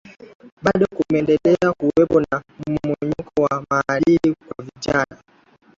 Bado kumeendelea kuwepo na mmomonyoko wa maadili kwa vijana